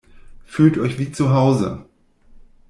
Fühlt euch wie zu Hause!